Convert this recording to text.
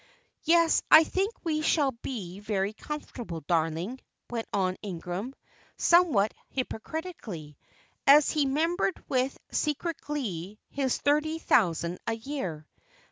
"Yes, I think we shall be very comfortable, darling," went on Ingram, somewhat hypocritically, as he remembered with secret glee his thirty thousand a year.